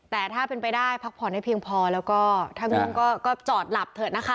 แต่ถ้าเป็นไปได้พักผ่อนให้เพียงพอแล้วก็ถ้าง่วงก็จอดหลับเถอะนะคะ